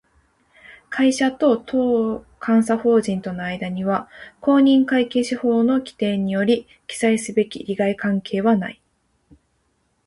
会社と当監査法人との間には、公認会計士法の規定により記載すべき利害関係はない